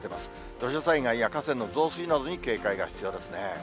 土砂災害や河川の増水などに警戒が必要ですね。